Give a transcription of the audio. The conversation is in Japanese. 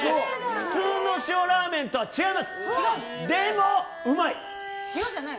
普通の塩ラーメンとは違います！